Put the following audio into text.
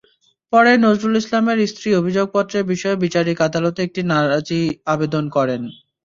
পরে নজরুল ইসলামের স্ত্রী অভিযোগপত্রের বিষয়ে বিচারিক আদালতে একটি নারাজি আবেদন করেন।